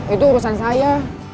itu urusan saya